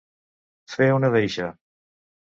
Fer una deixa.